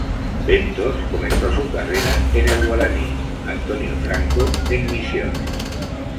Bentos comenzó su carrera en el Guaraní Antonio Franco en Misiones.